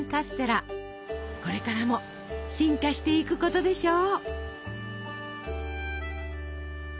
これからも進化していくことでしょう。